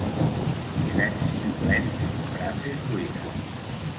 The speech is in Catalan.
Silencis plens i frases buides.